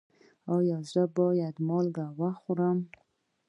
ایا زه باید مالګه وخورم؟